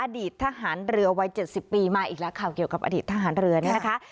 อดีตทหารเรือวัย๗๐ปีมาอีกแล้วข่าวเกี่ยวกับอดีตทหารเรือนี่นะคะ